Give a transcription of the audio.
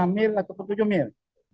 enam mil atau tujuh mil